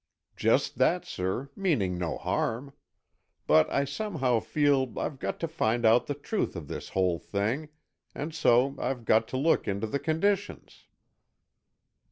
"Just that, sir, meaning no harm. But I somehow feel I've got to find out the truth of this whole thing, and so I've got to look into the conditions."